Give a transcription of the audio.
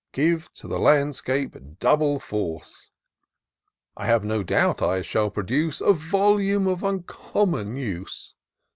Give to the landscape double force. I have no doubt I shall produce A volume of imcommon use.